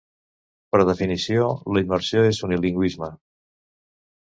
Per definició, la immersió és unilingüisme.